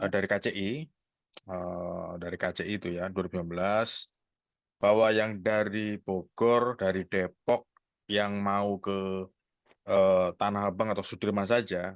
dari kci dari kci itu ya dua ribu sembilan belas bahwa yang dari bogor dari depok yang mau ke tanah abang atau sudirman saja